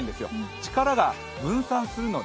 力が分散するので。